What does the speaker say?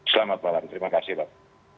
selamat malam terima kasih pak